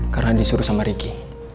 karena disuruh sama ricky